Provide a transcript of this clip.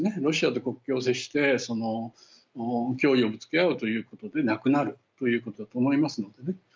ロシアと国境を接してその脅威をぶつけ合うということでなくなるということだと思いますのでね。